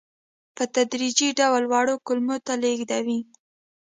په تدریجي ډول وړو کولمو ته لېږدوي.